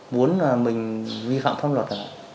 muốn mình vi phạm pháp luật